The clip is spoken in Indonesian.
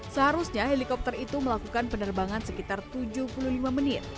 seharusnya helikopter itu melakukan penerbangan sekitar tujuh puluh lima menit